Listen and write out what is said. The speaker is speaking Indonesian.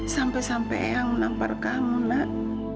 sampai sampai yang menampar kamu mak